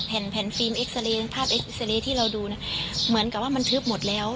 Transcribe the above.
แผ่นแผ่นฟิล์มเอ็กซาเรย์ภาพเอ็กซาเรย์ที่เราดูเนี่ยเหมือนกับว่ามันทึบหมดแล้ว